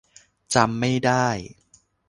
จำไม่ได้